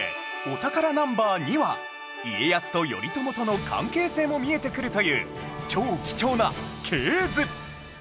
お宝 Ｎｏ．２ は家康と頼朝との関係性も見えてくるという超貴重な系図